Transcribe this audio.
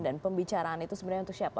dan pembicaraan itu sebenarnya untuk siapa